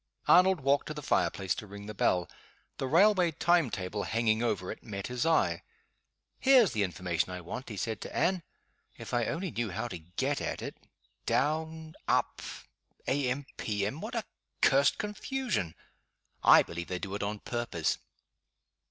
Arnold walked to the fire place to ring the bell. The railway time table hanging over it met his eye. "Here's the information I want," he said to Anne; "if I only knew how to get at it. 'Down' 'Up' 'A. M.' P. M.' What a cursed confusion! I believe they do it on purpose."